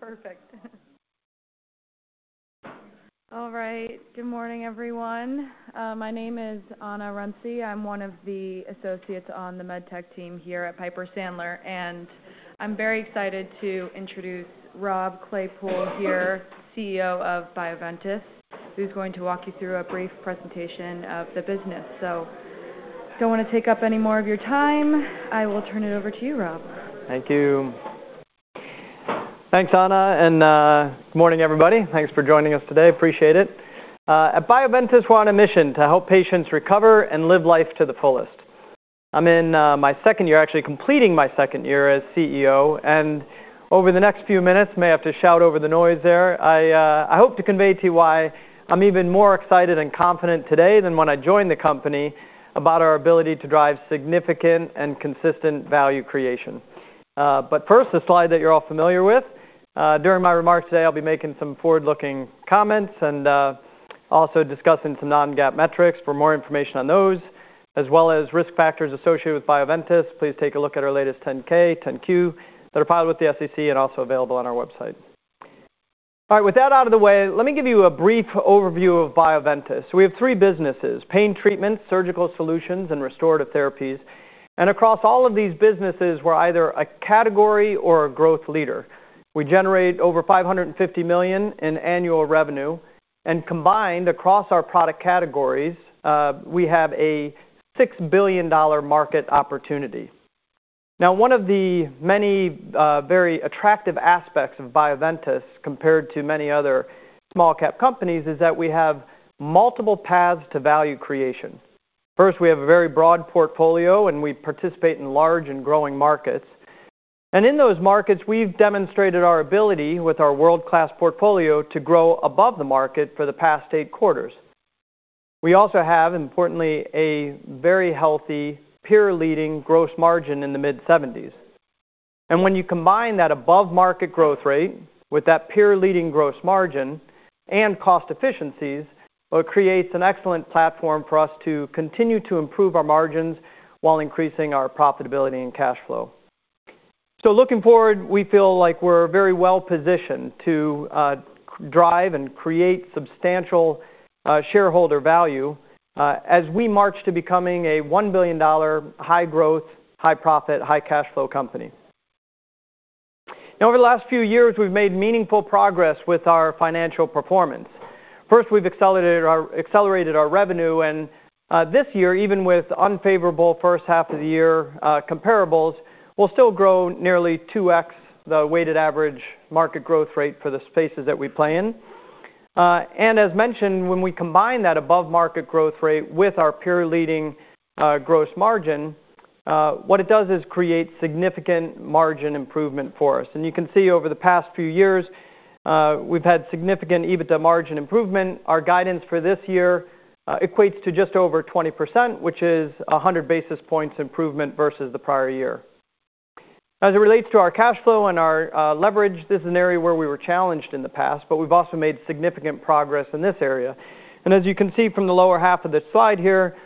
Perfect. All right. Good morning, everyone. My name is Ana Runcie. I'm one of the associates on the med tech team here at Piper Sandler, and I'm very excited to introduce Rob Claypoole here, CEO of Bioventus, who's going to walk you through a brief presentation of the business. So I don't want to take up any more of your time. I will turn it over to you, Rob. Thank you. Thanks, Ana. And good morning, everybody. Thanks for joining us today. Appreciate it. At Bioventus, we're on a mission to help patients recover and live life to the fullest. I'm in my second year, actually completing my second year as CEO. And over the next few minutes, I may have to shout over the noise there. I hope to convey to you why I'm even more excited and confident today than when I joined the company about our ability to drive significant and consistent value creation. But first, a slide that you're all familiar with. During my remarks today, I'll be making some forward-looking comments and also discussing some Non-GAAP metrics. For more information on those, as well as risk factors associated with Bioventus, please take a look at our latest 10-K, 10-Q that are filed with the SEC and also available on our website. All right. With that out of the way, let me give you a brief overview of Bioventus. We have three businesses: Pain Treatments, Surgical Solutions, and Restorative Therapies. And across all of these businesses, we're either a category or a growth leader. We generate over $550 million in annual revenue. And combined, across our product categories, we have a $6 billion market opportunity. Now, one of the many very attractive aspects of Bioventus, compared to many other small-cap companies, is that we have multiple paths to value creation. First, we have a very broad portfolio, and we participate in large and growing markets. And in those markets, we've demonstrated our ability, with our world-class portfolio, to grow above the market for the past eight quarters. We also have, importantly, a very healthy, peer-leading gross margin in the mid-70s. When you combine that above-market growth rate with that peer-leading gross margin and cost efficiencies, it creates an excellent platform for us to continue to improve our margins while increasing our profitability and cash flow. Looking forward, we feel like we're very well positioned to drive and create substantial shareholder value as we march to becoming a $1 billion high-growth, high-profit, high-cash flow company. Over the last few years, we've made meaningful progress with our financial performance. First, we've accelerated our revenue. This year, even with unfavorable first half of the year comparables, we'll still grow nearly 2X the weighted average market growth rate for the spaces that we play in. As mentioned, when we combine that above-market growth rate with our peer-leading gross margin, what it does is create significant margin improvement for us. You can see, over the past few years, we've had significant EBITDA margin improvement. Our guidance for this year equates to just over 20%, which is 100 basis points improvement versus the prior year. As it relates to our cash flow and our leverage, this is an area where we were challenged in the past, but we've also made significant progress in this area. And as you can see from the lower half of this slide here,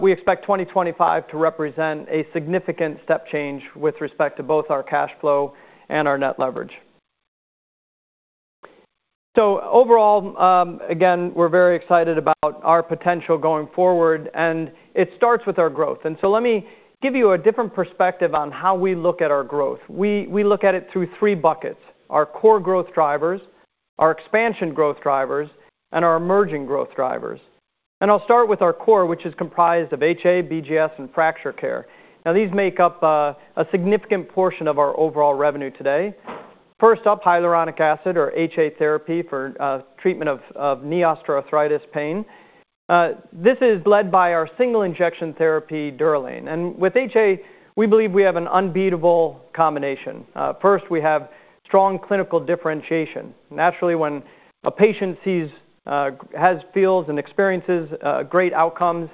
we expect 2025 to represent a significant step change with respect to both our cash flow and our net leverage. So overall, again, we're very excited about our potential going forward. And it starts with our growth. And so let me give you a different perspective on how we look at our growth. We look at it through three buckets: our core growth drivers, our expansion growth drivers, and our emerging growth drivers. And I'll start with our core, which is comprised of HA, BGS, and fracture care. Now, these make up a significant portion of our overall revenue today. First up, hyaluronic acid or HA therapy for treatment of knee osteoarthritis pain. This is led by our single-injection therapy, Durolane. And with HA, we believe we have an unbeatable combination. First, we have strong clinical differentiation. Naturally, when a patient feels and experiences great outcomes,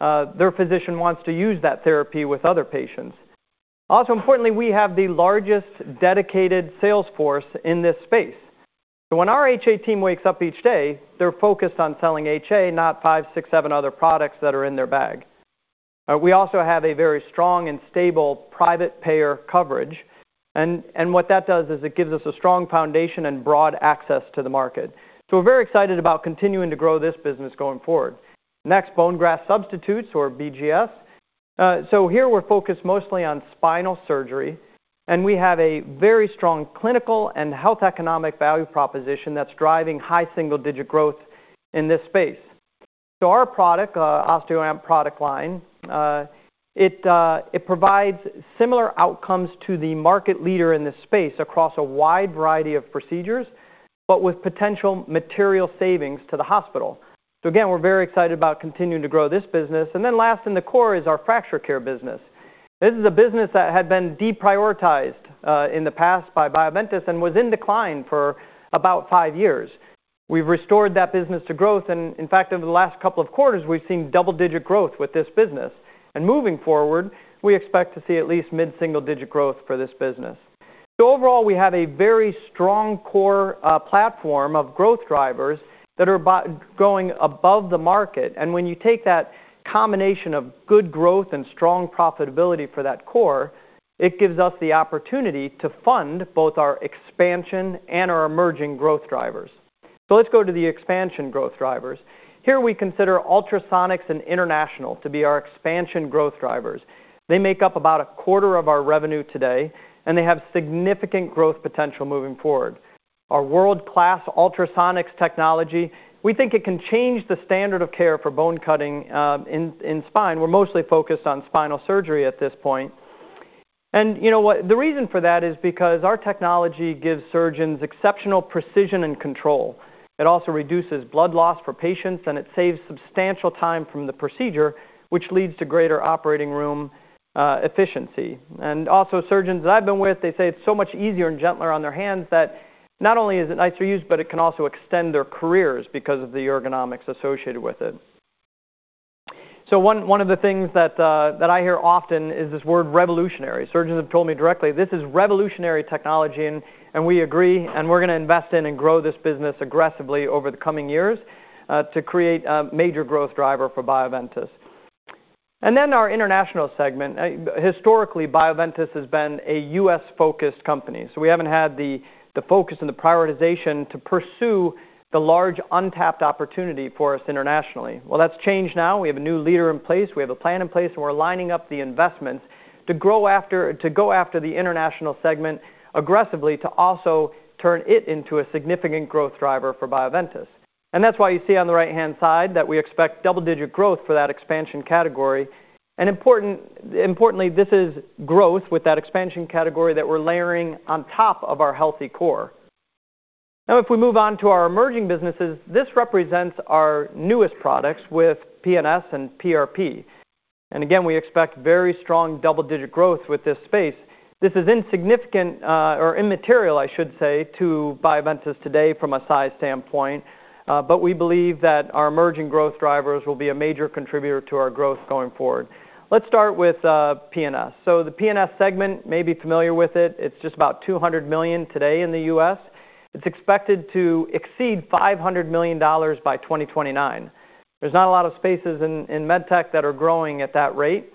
their physician wants to use that therapy with other patients. Also, importantly, we have the largest dedicated sales force in this space. So when our HA team wakes up each day, they're focused on selling HA, not five, six, seven other products that are in their bag. We also have a very strong and stable private payer coverage. And what that does is it gives us a strong foundation and broad access to the market. So we're very excited about continuing to grow this business going forward. Next, bone graft substitutes or BGS. So here, we're focused mostly on spinal surgery. And we have a very strong clinical and health economic value proposition that's driving high single-digit growth in this space. So our product, OsteoAmp product line, it provides similar outcomes to the market leader in this space across a wide variety of procedures, but with potential material savings to the hospital. So again, we're very excited about continuing to grow this business. And then last in the core is our fracture care business. This is a business that had been deprioritized in the past by Bioventus and was in decline for about five years. We've restored that business to growth. And in fact, over the last couple of quarters, we've seen double-digit growth with this business. And moving forward, we expect to see at least mid-single-digit growth for this business. So overall, we have a very strong core platform of growth drivers that are going above the market. And when you take that combination of good growth and strong profitability for that core, it gives us the opportunity to fund both our expansion and our emerging growth drivers. So let's go to the expansion growth drivers. Here, we consider Ultrasonics and International to be our expansion growth drivers. They make up about a quarter of our revenue today, and they have significant growth potential moving forward. Our world-class ultrasonics technology, we think it can change the standard of care for bone cutting in spine. We're mostly focused on spinal surgery at this point. And the reason for that is because our technology gives surgeons exceptional precision and control. It also reduces blood loss for patients, and it saves substantial time from the procedure, which leads to greater operating room efficiency. And also, surgeons that I've been with, they say it's so much easier and gentler on their hands that not only is it nicer to use, but it can also extend their careers because of the ergonomics associated with it. So one of the things that I hear often is this word "revolutionary." Surgeons have told me directly, "This is revolutionary technology," and we agree. And we're going to invest in and grow this business aggressively over the coming years to create a major growth driver for Bioventus. And then our international segment. Historically, Bioventus has been a U.S.-focused company. So we haven't had the focus and the prioritization to pursue the large untapped opportunity for us internationally. Well, that's changed now. We have a new leader in place. We have a plan in place. And we're lining up the investments to go after the international segment aggressively to also turn it into a significant growth driver for Bioventus. And that's why you see on the right-hand side that we expect double-digit growth for that expansion category. And importantly, this is growth with that expansion category that we're layering on top of our healthy core. Now, if we move on to our emerging businesses, this represents our newest products with PNS and PRP. And again, we expect very strong double-digit growth with this space. This is insignificant or immaterial, I should say, to Bioventus today from a size standpoint. But we believe that our emerging growth drivers will be a major contributor to our growth going forward. Let's start with PNS. So the PNS segment, maybe familiar with it. It's just about $200 million today in the U.S. It's expected to exceed $500 million by 2029. There's not a lot of spaces in med tech that are growing at that rate.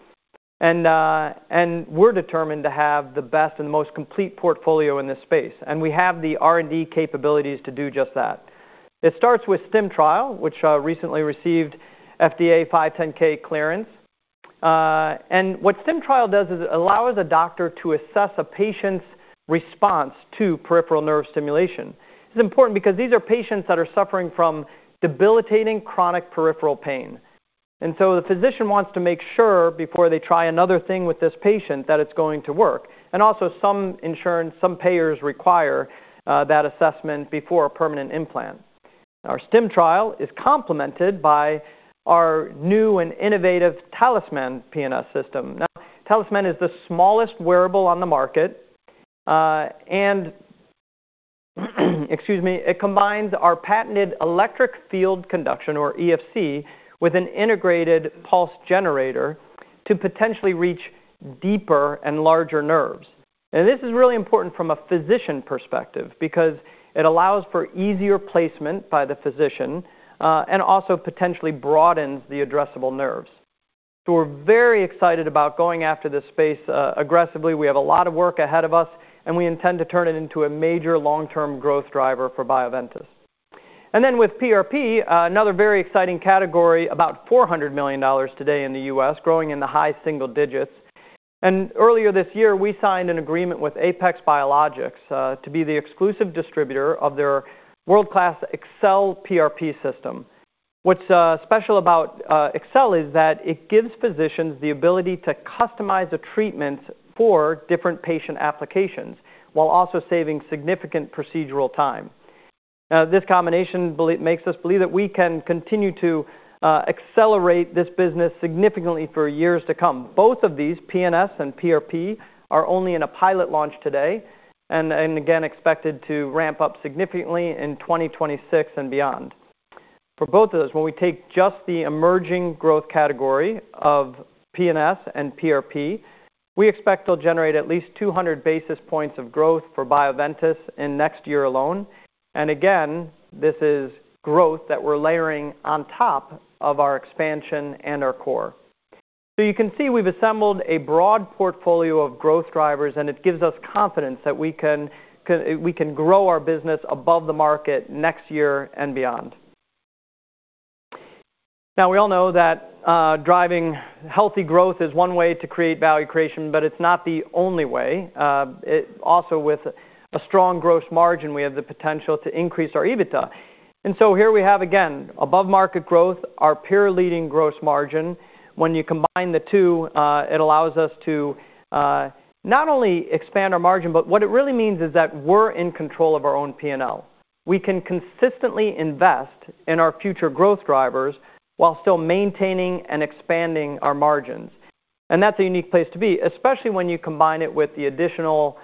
We are determined to have the best and the most complete portfolio in this space. We have the R&D capabilities to do just that. It starts with StimTrial, which recently received FDA 510(k) clearance. StimTrial allows a doctor to assess a patient's response to peripheral nerve stimulation. This is important because these are patients that are suffering from debilitating chronic peripheral pain. And so the physician wants to make sure before they try another thing with this patient that it's going to work. And also, some insurance, some payers require that assessment before a permanent implant. Our STIM trial is complemented by our new and innovative Talisman PNS system. Now, Talisman is the smallest wearable on the market. And excuse me, it combines our patented electric field conduction or EFC with an integrated pulse generator to potentially reach deeper and larger nerves. And this is really important from a physician perspective because it allows for easier placement by the physician and also potentially broadens the addressable nerves. So we're very excited about going after this space aggressively. We have a lot of work ahead of us, and we intend to turn it into a major long-term growth driver for Bioventus. And then with PRP, another very exciting category, about $400 million today in the U.S, growing in the high single digits. Earlier this year, we signed an agreement with Apex Biologics to be the exclusive distributor of their world-class Excel PRP system. What's special about Excel is that it gives physicians the ability to customize the treatments for different patient applications while also saving significant procedural time. This combination makes us believe that we can continue to accelerate this business significantly for years to come. Both of these, PNS and PRP, are only in a pilot launch today and again expected to ramp up significantly in 2026 and beyond. For both of those, when we take just the emerging growth category of PNS and PRP, we expect they'll generate at least 200 basis points of growth for Bioventus in next year alone. And again, this is growth that we're layering on top of our expansion and our core. So you can see we've assembled a broad portfolio of growth drivers, and it gives us confidence that we can grow our business above the market next year and beyond. Now, we all know that driving healthy growth is one way to create value creation, but it's not the only way. Also, with a strong gross margin, we have the potential to increase our EBITDA. And so here we have, again, above-market growth, our peer-leading gross margin. When you combine the two, it allows us to not only expand our margin, but what it really means is that we're in control of our own P&L. We can consistently invest in our future growth drivers while still maintaining and expanding our margins. And that's a unique place to be, especially when you combine it with the additional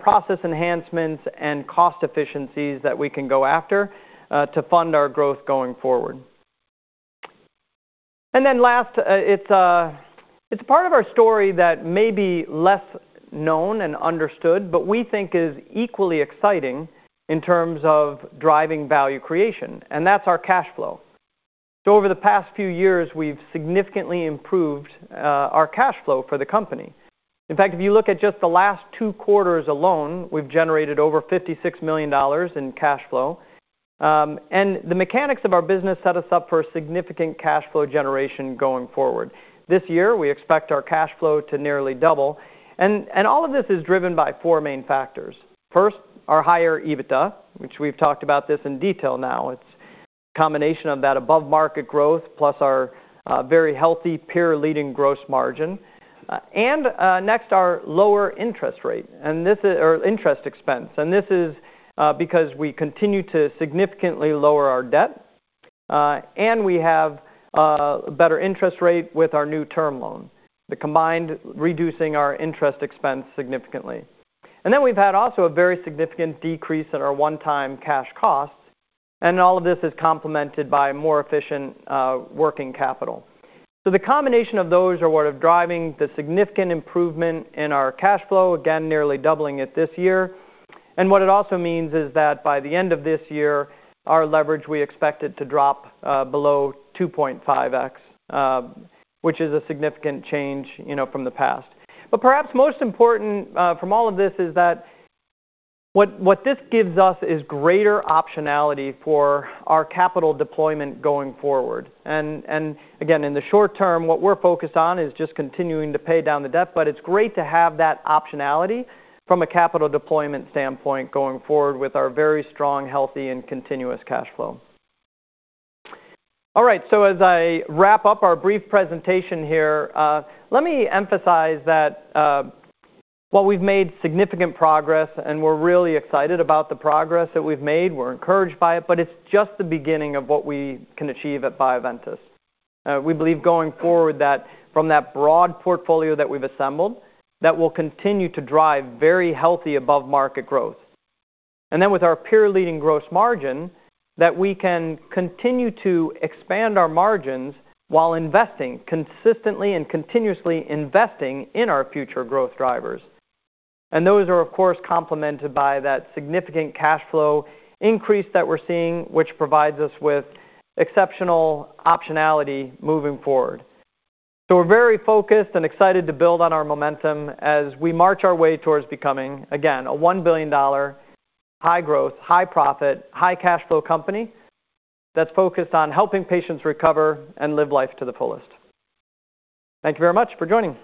process enhancements and cost efficiencies that we can go after to fund our growth going forward. And then last, it's a part of our story that may be less known and understood, but we think is equally exciting in terms of driving value creation. And that's our cash flow. So over the past few years, we've significantly improved our cash flow for the company. In fact, if you look at just the last two quarters alone, we've generated over $56 million in cash flow. And the mechanics of our business set us up for a significant cash flow generation going forward. This year, we expect our cash flow to nearly double. And all of this is driven by four main factors. First, our higher EBITDA, which we've talked about this in detail now. It's a combination of that above-market growth plus our very healthy peer-leading gross margin. And next, our lower interest rate or interest expense. And this is because we continue to significantly lower our debt. And we have a better interest rate with our new term loan, reducing our interest expense significantly. And then we've had also a very significant decrease in our one-time cash costs. And all of this is complemented by more efficient working capital. So the combination of those are what are driving the significant improvement in our cash flow, again, nearly doubling it this year. And what it also means is that by the end of this year, our leverage, we expect it to drop below 2.5x, which is a significant change from the past. But perhaps most important from all of this is that what this gives us is greater optionality for our capital deployment going forward. And again, in the short term, what we're focused on is just continuing to pay down the debt. But it's great to have that optionality from a capital deployment standpoint going forward with our very strong, healthy, and continuous cash flow. All right. So as I wrap up our brief presentation here, let me emphasize that while we've made significant progress and we're really excited about the progress that we've made, we're encouraged by it, but it's just the beginning of what we can achieve at Bioventus. We believe going forward that from that broad portfolio that we've assembled, that will continue to drive very healthy above-market growth. And then, with our peer-leading gross margin, that we can continue to expand our margins while investing consistently and continuously in our future growth drivers. And those are, of course, complemented by that significant cash flow increase that we're seeing, which provides us with exceptional optionality moving forward. So, we're very focused and excited to build on our momentum as we march our way towards becoming, again, a $1 billion high-growth, high-profit, high-cash flow company that's focused on helping patients recover and live life to the fullest. Thank you very much for joining us.